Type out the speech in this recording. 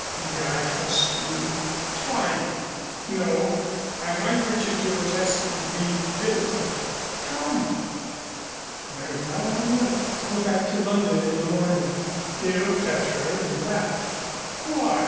May I trust you?" "Try me." "No, I might put you to a test that would be difficult." "Try me." "Very well, I will. Go back to London in the morning." He looked at her and laughed. "Why?"